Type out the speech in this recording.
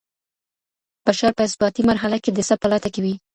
بشر په اثباتي مرحله کي د څه په لټه کي وي؟